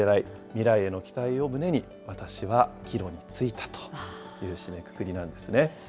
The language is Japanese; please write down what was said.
未来への期待を胸に、私は帰路についたという締めくくりなんですね。